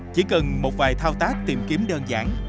chỉ cần một vài thao tác tìm kiếm đơn giản